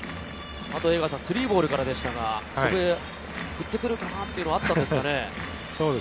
３ボールからでしたが、祖父江は振ってくるかなっていうのはあったんでしょうかね？